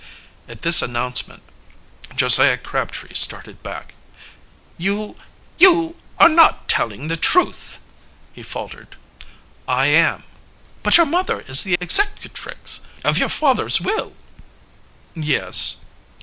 At this announcement Josiah Crabtree started back. "You you are not telling the truth," he faltered. "I am." "But your mother is the executrix of your father's will." "Yes."